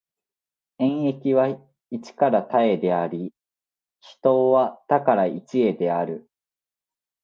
演繹は一から多へであり、帰納は多から一へである。